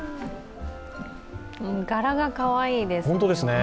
柄がかわいいですね。